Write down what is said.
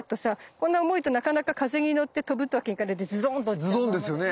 こんな重いとなかなか風に乗って飛ぶというわけにはいかないでズドーンと落ちたままだよね？